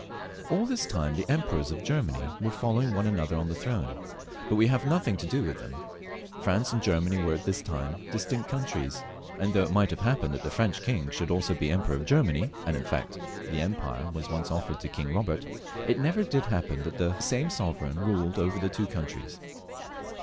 All this time the emperors of Germany were following one another on the throne, but we have nothing to do with them. France and Germany were at this time dis tinct countries, and though it might have happened that the French King should also be Emperor of Grermany — and iu fact the empire was once offered to King Bobert — it never did happen that the same sovereign ruled over the two countries.